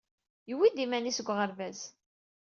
Yewwi-d iman-is deg uɣerbaz.